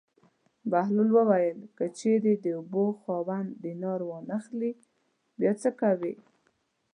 بهلول وویل: که چېرې د اوبو خاوند دینار وانه خلي بیا څه کوې.